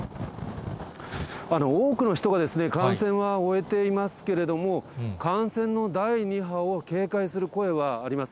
多くの人が感染は終えていますけれども、感染の第２波を警戒する声はあります。